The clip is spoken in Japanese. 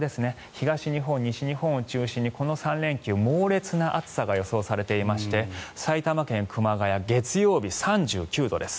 東日本、西日本を中心にこの３連休、猛烈な暑さが予想されていまして埼玉県熊谷月曜日、３９度です。